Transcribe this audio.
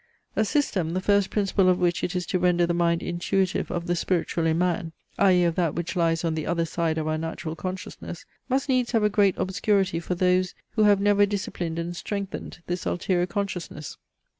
A system, the first principle of which it is to render the mind intuitive of the spiritual in man (i.e. of that which lies on the other side of our natural consciousness) must needs have a great obscurity for those, who have never disciplined and strengthened this ulterior consciousness.